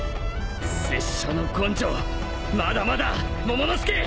拙者の根性まだまだモモの助！